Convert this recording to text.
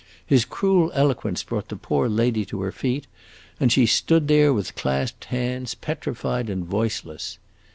His cruel eloquence brought the poor lady to her feet, and she stood there with clasped hands, petrified and voiceless.